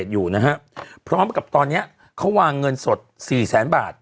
อยู่นะฮะพร้อมกับตอนนี้เขาวางเงินสดสี่แสนบาท